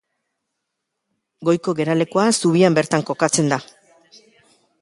Goiko geralekua zubian bertan kokatzen da.